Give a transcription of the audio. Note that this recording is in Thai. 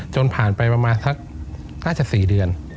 จนผ่านไปประมาณสักน่าจะ๔เดือน